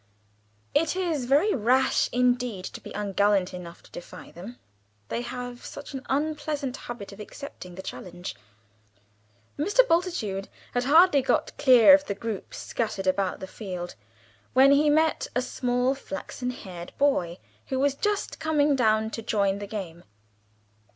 It is very rash indeed to be ungallant enough to defy them they have such an unpleasant habit of accepting the challenge. Mr. Bultitude had hardly got clear of the groups scattered about the field, when he met a small flaxen haired boy, who was just coming down to join the game.